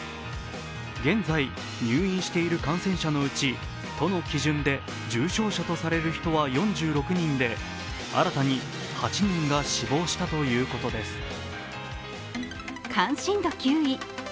現在、入院している感染者のうち都の基準で重症者とされる人は４６人で新たに８人が死亡したということです。